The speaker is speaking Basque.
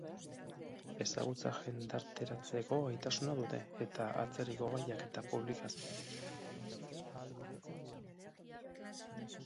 Ezagutza jendarteratzeko gaitasuna dute, eta atzerriko gaiak eta publikazioak komentatzea ahalbidetzen didate.